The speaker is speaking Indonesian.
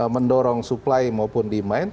mendorong supply maupun demand